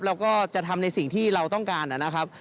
เราก็จะทำในสิ่งที่เราต้องการนะครับ